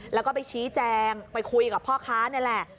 แล้วก็ไปชี้แจงไปคุยกับพ่อค้านี่แหละ